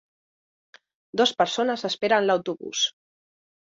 Dos persones esperen l'autobús